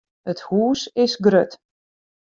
It hûs is grut.